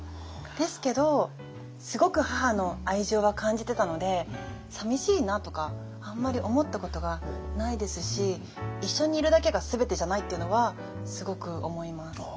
ですけどすごく母の愛情は感じてたのでさみしいなとかあんまり思ったことがないですし一緒にいるだけがすべてじゃないっていうのはすごく思います。